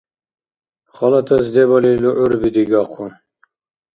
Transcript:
Халатас дебали лугӀурби дигахъу.